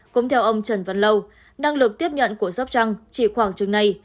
cũng theo ông trần văn lâu năng lực tiếp nhận của sóc trăng chỉ khoảng chừng này